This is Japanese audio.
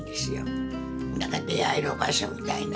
何か出会える場所みたいな。